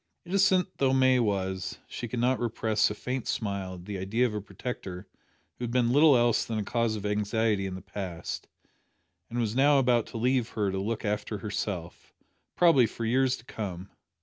Innocent though May was, she could not repress a faint smile at the idea of a protector who had been little else than a cause of anxiety in the past, and was now about to leave her to look after herself, probably for years to come.